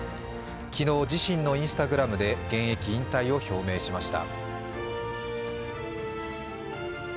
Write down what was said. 昨日、自身のＩｎｓｔａｇｒａｍで現役引退を表明しました。